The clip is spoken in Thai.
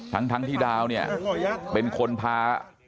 ทั้งที่ดาวเนี่ยเป็นคนพา